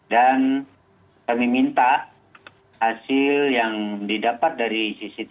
dan kami minta hasil yang didapat dari cctv